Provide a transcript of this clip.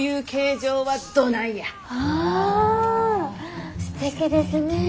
あすてきですね。